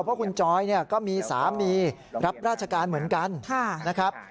เพราะคุณจอยเนี่ยก็มีสามีรับราชการเหมือนกันนะครับ